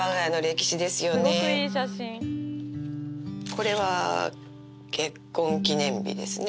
これは結婚記念日ですね